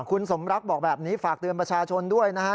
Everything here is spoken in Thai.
คุณสมรักบอกแบบนี้ฝากเตือนประชาชนด้วยนะฮะ